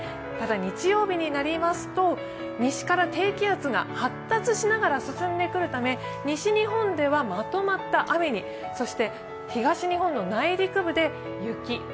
ただ、日曜日になりますと西から低気圧が発達しながら進んでくるため西日本ではまとまった雨に、そして東日本の内陸部で雪。